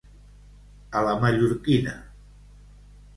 A la mallorquina.